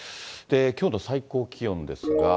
きょうの最高気温ですが。